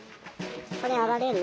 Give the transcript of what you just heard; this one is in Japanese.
これ上がれる？